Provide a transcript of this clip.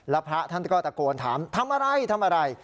แล้วพระท่านก็ตะโกนถามทำอะไรทำอะไร